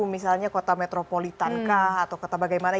misalnya kota metropolitankah atau kota bagaimana